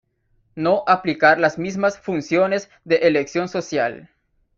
No aplicar las mismas funciones de elección social.